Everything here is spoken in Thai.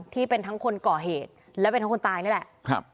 ที่เป็นทั้งคนก่อเหตุและเป็นทั้งคนตายนี่แหละครับ